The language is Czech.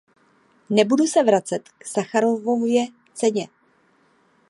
Nebudu se vracet k Sacharovově ceně.